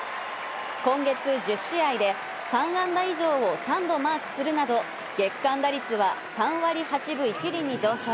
今月１０試合で３安打以上を３度マークするなど、月間打率は３割８分１厘に上昇。